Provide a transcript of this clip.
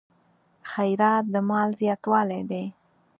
خیرات د مال زیاتوالی دی.